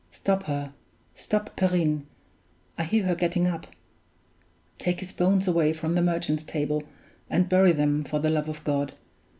Stop her; stop Perrine! I hear her getting up. Take his bones away from the Merchant's Table, and bury them for the love of God!